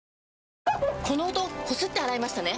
この音こすって洗いましたね？